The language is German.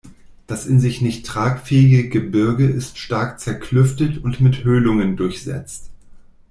Das in sich nicht tragfähige Gebirge ist stark zerklüftet und mit Höhlungen durchsetzt.